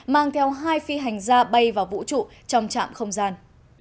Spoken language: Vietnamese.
mang theo hai phi hành gia bay vào vũ trụ trong trạm không gian